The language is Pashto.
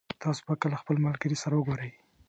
تاسو به کله خپل ملګري سره وګورئ